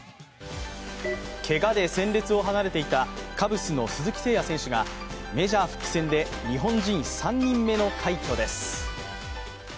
けがで戦列を離れていたカブスの鈴木誠也選手がメジャー復帰戦で日本人３人目の快挙です。